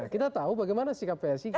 kita tahu bagaimana sikap psiki